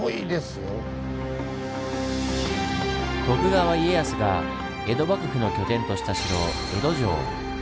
徳川家康が江戸幕府の拠点とした城江戸城！